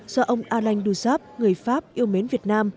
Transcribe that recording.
do ông alain dusab người pháp yêu mến việt nam